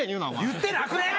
言ってなくねぇ？